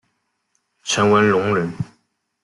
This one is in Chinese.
陈文龙人。